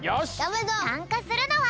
さんかするのは。